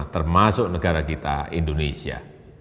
termasuk negara kita indonesia